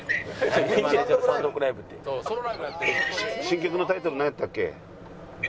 新曲のタイトルなんやったっけ？